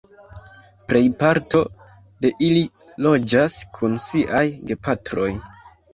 Plejparto de ili loĝas kun siaj gepatroj.